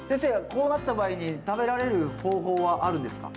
こうなった場合に食べられる方法はあるんですか？